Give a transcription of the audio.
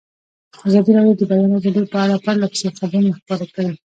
ازادي راډیو د د بیان آزادي په اړه پرله پسې خبرونه خپاره کړي.